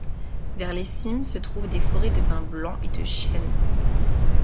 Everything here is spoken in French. Vers les cimes se trouvent des forêts de pin blanc et de chênes.